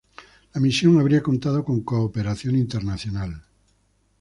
La misión habría contado con cooperación internacional.